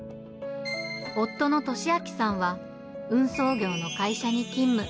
夫の敏暉さんは、運送業の会社に勤務。